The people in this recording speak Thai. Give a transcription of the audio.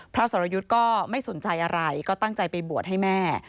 สรยุทธ์ก็ไม่สนใจอะไรก็ตั้งใจไปบวชให้แม่